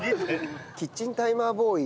キッチンタイマーボーイ